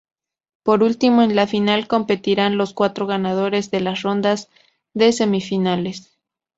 Por último, en la final competirán los cuatro ganadores de las rondas de semifinales.